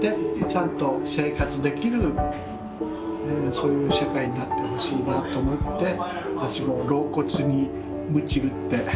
そういう社会になってほしいなと思って私も老骨にむち打って。